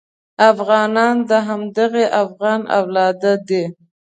افغانان د همدغه افغان اولاد دي.